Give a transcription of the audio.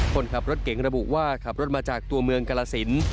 คนขับรถเก๋งระบุว่าขับรถมาจากตัวเมืองกรสิน